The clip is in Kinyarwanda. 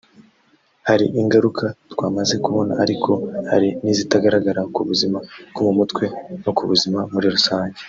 Hari ingaruka twamaze kubona ariko hari n’izitaragaragara ku buzima bwo mu mutwe no ku buzima muri rusange